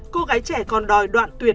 cô gái trẻ còn đòi đoạn tuyệt